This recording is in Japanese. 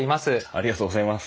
ありがとうございます。